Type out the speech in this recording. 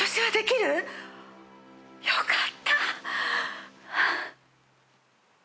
よかった。